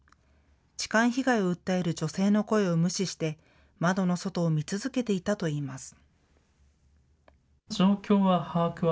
痴漢被害を訴える女性の声を無視して、窓の外を見続けていたといいます。